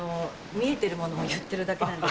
見えてるものを言ってるだけなんで。